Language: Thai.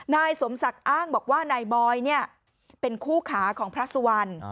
นายสมศักดิ์อ้างบอกว่านายบอยเป็นคู่ขาของพระสุวรรณ